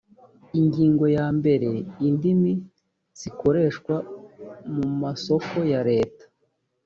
ingingo ya mbere indimi zikoreshwa mu masoko ya leta